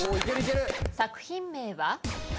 作品名は？